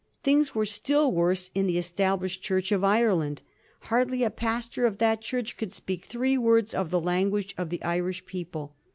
Things were still worse in the Established Church of Ireland. Hardly a pastor of that Church could speak three words of the language of the Irish people.